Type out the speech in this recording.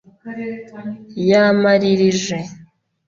yamaririje”